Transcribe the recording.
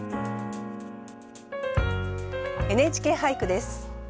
「ＮＨＫ俳句」です。